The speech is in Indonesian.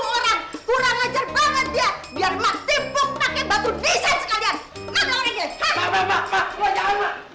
biar emak tipu pake batu desain sekalian